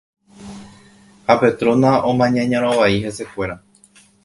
ha Petrona omaña ñarõ vai hesekuéra